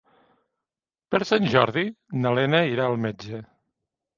Per Sant Jordi na Lena irà al metge.